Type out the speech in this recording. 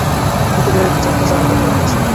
ভেতরে চারটা চা অর্ডার করা হয়েছে।